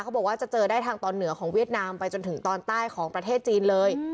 บอกว่าจะเจอได้ทางตอนเหนือของเวียดนามไปจนถึงตอนใต้ของประเทศจีนเลย